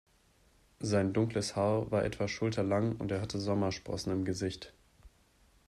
Sein dunkles Haar war etwa schulterlang und er hatte Sommersprossen im Gesicht.